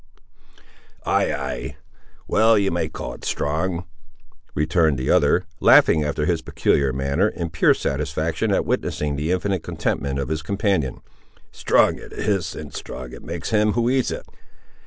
"Ay, ay, well you may call it strong!" returned the other, laughing after his peculiar manner, in pure satisfaction at witnessing the infinite contentment of his companion; "strong it is, and strong it makes him who eats it!